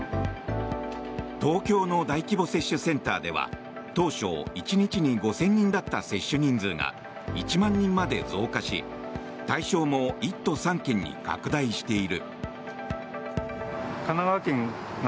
東京の大規模接種センターでは当初、１日に５０００人だった接種人数が１万人まで増加し対象も１都３県に拡大している。